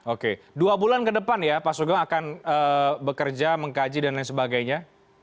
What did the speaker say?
oke dua bulan ke depan ya pak sugeng akan bekerja mengkaji dan lain sebagainya